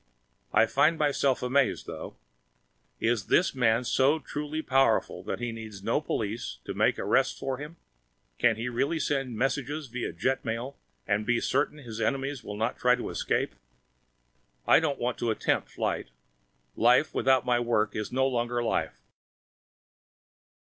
I find myself amazed, though. Is this man so truly powerful that he needs no police to make his arrests for him? Can he really send messages via jetmail and be certain his enemies will not try to escape? I don't want to attempt flight. Life without my work is no longer life.